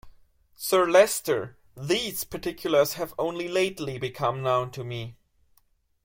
Sir Leicester, these particulars have only lately become known to me.